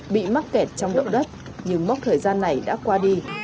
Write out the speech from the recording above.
bị mắc kẹt trong độ đất nhưng mốc thời gian này đã qua đi